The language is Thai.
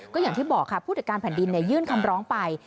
ก็อย่างที่บอกค่ะผู้จัดการแผ่นดินยื่นคำร้องไป